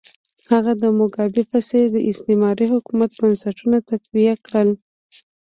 هغه د موګابي په څېر د استعماري حکومت بنسټونه تقویه کړل.